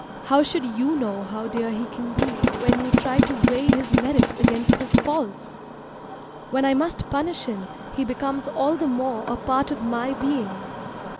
How should you know how dear he can be when you try to weigh his merits against his faults? When I must punish him he becomes all the more a part of my being.